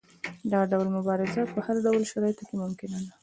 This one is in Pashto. دا ډول مبارزه په هر ډول شرایطو کې ممکنه ده.